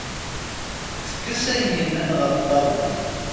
Tekkes ayen yellan ɣef ṭṭabla.